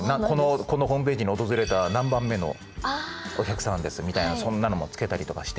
「このホームページに訪れた何番目のお客さんです」みたいなそんなのもつけたりとかして。